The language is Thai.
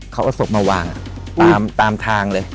เขาเอาศพมาวางตามทางเลย